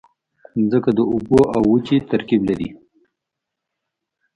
مځکه د اوبو او وچې ترکیب لري.